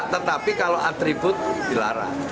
tetapi kalau atribut dilarang